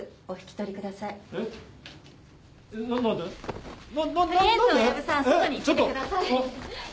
とりあえず大藪さん外に出てください。